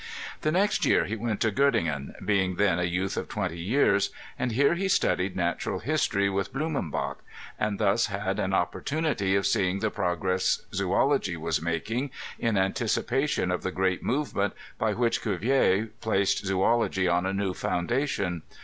The next year he went to Gottingen, ŌĆö being then a youth of twenty years ; and here he studied natural history with Blumenbach ; and thus had an op portunity of seeing the progress zoology was making in antici pation of the great movement by which Cuvier placed zoology on a new foundation.